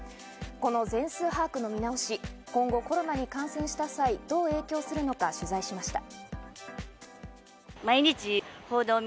この全数把握の見直し、今後コロナに感染した際、どう影響するのか取材しました。